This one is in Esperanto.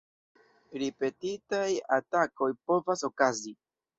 Ripetitaj atakoj povas okazi.